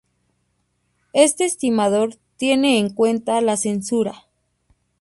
Este estimador tiene en cuenta la censura.